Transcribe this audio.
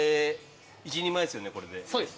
そうです。